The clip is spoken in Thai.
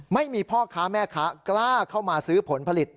ไม่มีพ่อค้าแม่ค้ากล้าเข้ามาซื้อผลผลิต